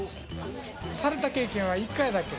された経験は１回だけ。